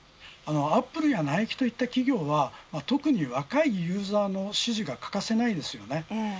アップルやナイキといった企業は特に若いユーザーの支持が欠かせないですよね。